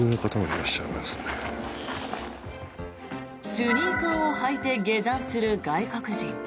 スニーカーを履いて下山する外国人。